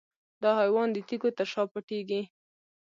دا حیوان د تیږو تر شا پټیږي.